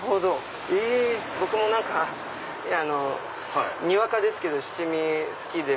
僕もにわかですけど七味好きで。